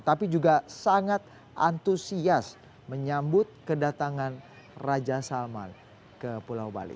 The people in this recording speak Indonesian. tapi juga sangat antusias menyambut kedatangan raja salman ke pulau bali